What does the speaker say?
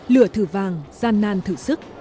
lửa thử vàng gian nan thử sức